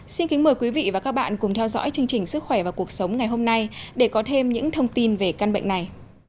xin kính mời quý vị và các bạn cùng theo dõi chương trình sức khỏe và cuộc sống ngày hôm nay để có thêm những thông tin về căn bệnh này